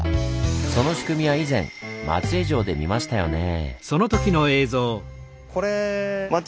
その仕組みは以前松江城で見ましたよねぇ。